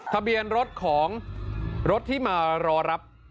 ทะเบียนรถของรถที่มารอรับ